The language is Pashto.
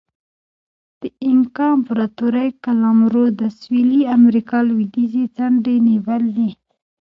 د اینکا امپراتورۍ قلمرو د سویلي امریکا لوېدیځې څنډې نیولې.